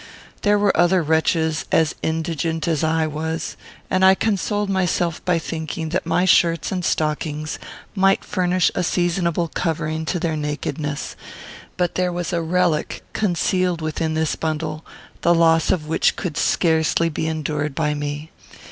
There were other wretches as indigent as I was, and I consoled myself by thinking that my shirts and stockings might furnish a seasonable covering to their nakedness; but there was a relic concealed within this bundle, the loss of which could scarcely be endured by me.